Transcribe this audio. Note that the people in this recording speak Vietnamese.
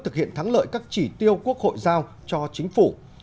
thực hiện thắng lợi các chỉ tiêu quốc hội giao cho chính phủ